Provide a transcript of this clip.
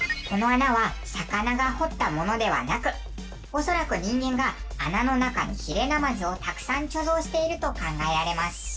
この穴は魚が掘ったものではなく恐らく人間が穴の中にヒレナマズをたくさん貯蔵していると考えられます。